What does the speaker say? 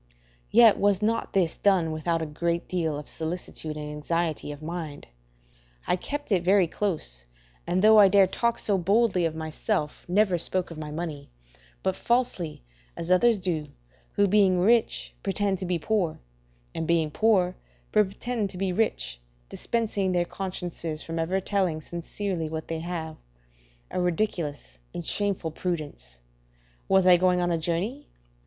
Yet was not this done without a great deal of solicitude and anxiety of mind; I kept it very close, and though I dare talk so boldly of myself, never spoke of my money, but falsely, as others do, who being rich, pretend to be poor, and being poor, pretend to be rich, dispensing their consciences from ever telling sincerely what they have: a ridiculous and shameful prudence. Was I going a journey?